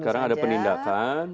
sekarang ada penindakan